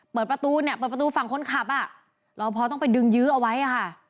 เปิดประตูเนี่ยเปิดประตูฝั่งคนขับอ่ะรอพอต้องไปดึงยื้อเอาไว้ค่ะ